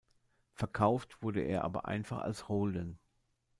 Verkauft wurde er aber einfach als „Holden“.